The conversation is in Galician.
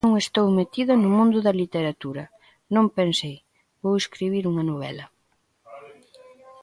Eu non estou metida no mundo da literatura, non pensei "vou escribir unha novela".